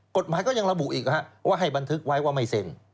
กฎหมายก็ยังระบุอีกว่าให้บันทึกไว้ว่าไม่เซ็น